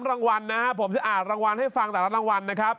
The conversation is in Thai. รางวัลนะครับผมจะอ่านรางวัลให้ฟังแต่ละรางวัลนะครับ